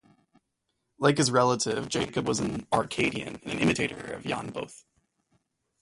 Like his relative, Jacob was an "Arcadian" and an imitator of Jan Both.